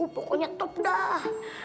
pokoknya top dah